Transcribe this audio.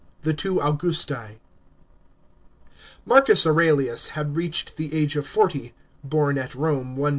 THE TWO AUGKJSTI. § L MARCUS AURELIUS had reached the age of forty (born at Home 121 A.